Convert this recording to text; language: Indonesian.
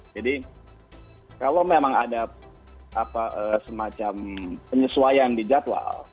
jadi kalau memang ada semacam penyesuaian di jadwal